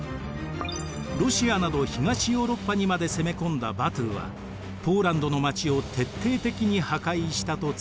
ロシアなど東ヨーロッパにまで攻め込んだバトゥはポーランドの町を徹底的に破壊したと伝えられています。